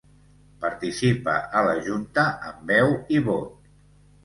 Participa a la junta amb veu i vot.